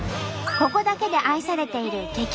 ここだけで愛されている激